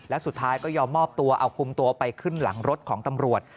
และสุดท้ายก็ยอมมอบตัวเอาคุมตัวไปขึ้นหลังรถของตำรวจ